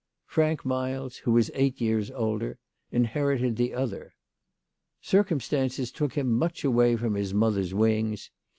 Frank Miles, who was eight years older, inherited the other. Circumstances took him much away from his mother's wings.